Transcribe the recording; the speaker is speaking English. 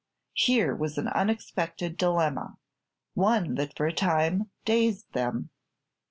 Here was an unexpected dilemma; one that for a time dazed them.